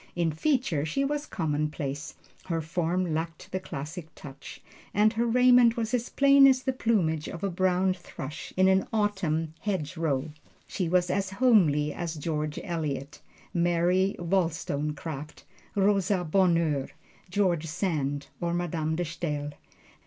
In feature she was commonplace, her form lacked the classic touch, and her raiment was as plain as the plumage of a brown thrush in an autumn hedgerow. She was as homely as George Eliot, Mary Wollstonecraft, Rosa Bonheur, George Sand, or Madame De Stael.